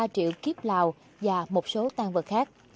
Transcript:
một mươi ba triệu kiếp lào và một số tăng vật khác